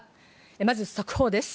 まず速報です。